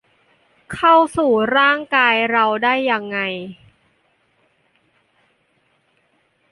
เข้าสู่ร่างกายเราได้ยังไง